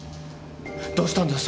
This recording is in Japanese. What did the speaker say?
どうしたんだよ！？